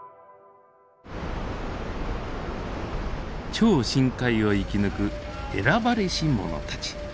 超深海を生き抜く選ばれしものたち。